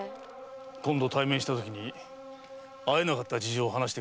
今度対面したら会えなかった事情を話してくれるだろう。